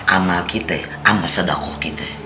amal kita dan sedangkau kita